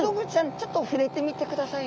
ちょっと触れてみてくださいね。